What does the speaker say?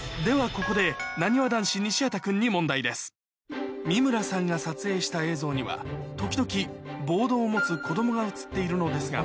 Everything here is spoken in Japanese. ここでなにわ男子・西畑君に三村さんが撮影した映像には時々ボードを持つ子どもが映っているのですが